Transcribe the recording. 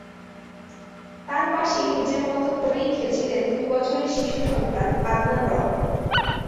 তাঁর পাশেই নিজের মতো করেই খেলছিলেন দুই বছরের শিশুসন্তান আদনান রহমান।